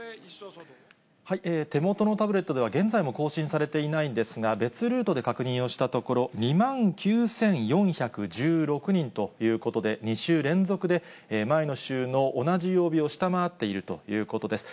手元のタブレットでは、現在も更新されていないんですが、別ルートで確認をしたところ、２万９４１６人ということで、２週連続で、前の週の同じ曜日を下回っているということです。